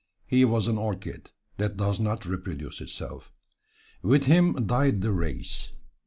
He was an orchid that does not reproduce itself. With him died the race.